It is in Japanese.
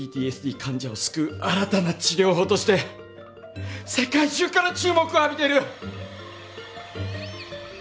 患者を救う新たな治療法として世界中から注目を浴びてる。